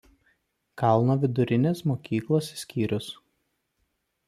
Kalno vidurinės mokyklos skyrius.